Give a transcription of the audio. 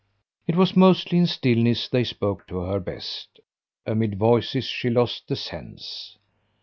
It was mostly in stillness they spoke to her best; amid voices she lost the sense.